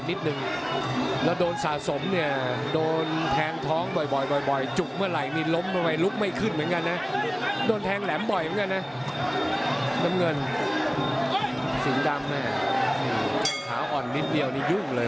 ที่จะมาเจออย่างนี้แก้ไม่ได้นะ